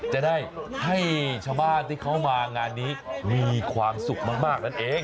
จะได้ให้ชาวบ้านที่เขามางานนี้มีความสุขมากนั่นเอง